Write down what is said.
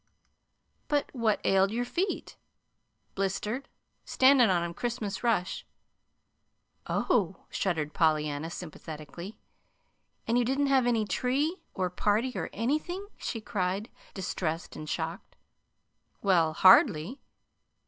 "But what ailed your feet?" "Blistered. Standin' on 'em Christmas rush." "Oh!" shuddered Pollyanna, sympathetically. "And you didn't have any tree, or party, or anything?" she cried, distressed and shocked. "Well, hardly!"